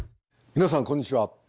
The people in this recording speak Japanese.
皆さんこんにちは。